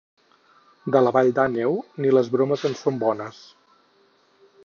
De la vall d'Àneu, ni les bromes en són bones.